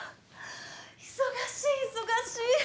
忙しい忙しい。